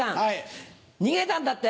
逃げたんだって？